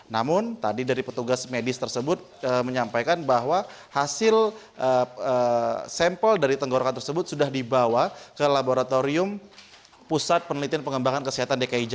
namun tadi dari petugas medis tersebut menyampaikan bahwa hasil sampel dari tenggorokan tersebut sudah dibawa ke laboratorium pusat penelitian pengembangan kesehatan